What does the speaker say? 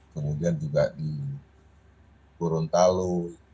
kemudian juga di turun talu